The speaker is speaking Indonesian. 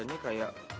sini deh cepetan dong